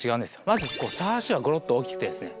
まずチャーシューがゴロッと大きくてですね